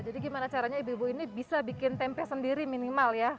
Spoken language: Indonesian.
gimana caranya ibu ibu ini bisa bikin tempe sendiri minimal ya